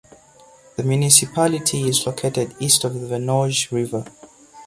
The municipality is located east of the Venoge river.